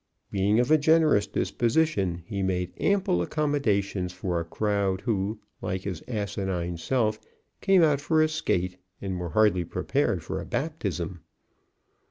Being of a generous disposition, he made ample accommodations for a crowd who, like his asinine self, came out for a skate and were hardly prepared for a baptism.